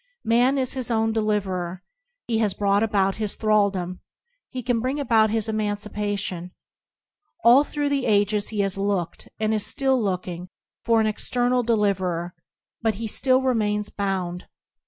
Man is his own deliverer. He has brought about his thral dom; he can bring about his emancipation. All through the ages he has looked, and is still looking, for an external deliverer, but he still remains bound.